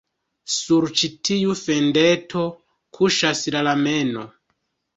Sur ĉi tiu fendeto kuŝas la lameno.